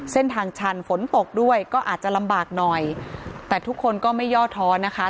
เส้นทางชันฝนตกด้วยก็อาจจะลำบากหน่อยแต่ทุกคนก็ไม่ย่อท้อนะคะ